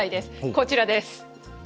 こちらです。